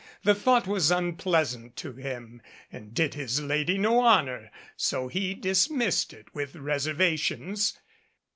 The thought was unpleasant to him, and did his lady no honor so he dismissed it with reserva tions.